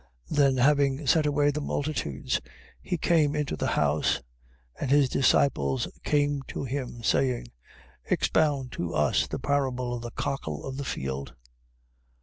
13:36. Then having sent away the multitudes, he came into the house, and his disciples came to him, saying: Expound to us the parable of the cockle of the field.